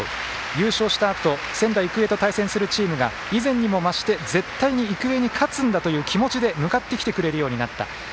優勝したあと仙台育英と対戦するチームが以前にも増して絶対に育英に勝つんだという気持ちで向かってきてくれるようになった。